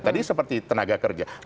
tadi seperti tenaga kerja